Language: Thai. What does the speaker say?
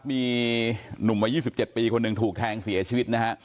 มีหนุ่มวัย๒๗ปีคนหนึ่งถูกแทงเสียชีวิตนะฮะ